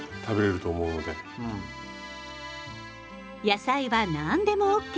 野菜は何でもＯＫ！